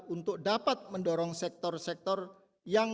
untuk dapat mendorong sektor sektor yang